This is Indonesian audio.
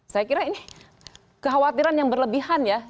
saya kira ini kekhawatiran yang berlebihan ya